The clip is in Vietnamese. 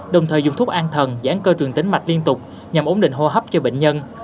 đồng thời dùng thuốc an thần giãn cơ trường tính mạch liên tục nhằm ổn định hô hấp cho bệnh nhân